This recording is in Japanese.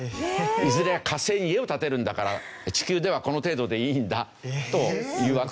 いずれ火星に家を建てるんだから地球ではこの程度でいいんだというわけなんですけど。